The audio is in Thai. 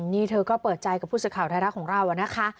นี่เธอก็เปิดใจกับผู้สื่อข่าวไทยรัฐของเรานะคะ